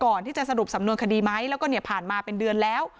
ก่อนที่จะสรุปสำนวนคดีไหมแล้วก็เนี่ยผ่านมาเป็นเดือนแล้ว